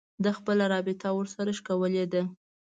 ده خپله رابطه ورسره شلولې ده